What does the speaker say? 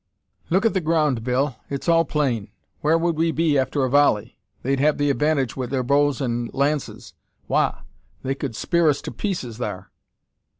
"Look at the ground, Bill! It's all plain. Whar would we be after a volley? They'd have the advantage wi' their bows and lances. Wagh! they could spear us to pieces thar!"